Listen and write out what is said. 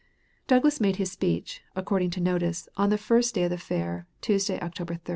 ] Douglas made his speech, according to notice, on the first day of the fair, Tuesday, October 3.